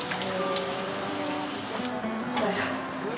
よいしょ。